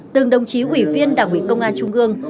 từng đồng chí ủy viên đảng ủy công an trung ương